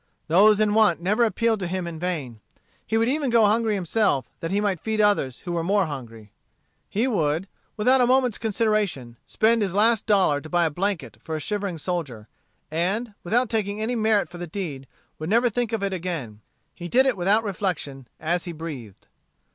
Those in want never appealed to him in vain. He would even go hungry himself that he might feed others who were more hungry. He would, without a moment's consideration, spend his last dollar to buy a blanket for a shivering soldier, and, without taking any merit for the deed, would never think of it again. He did it without reflection, as he breathed.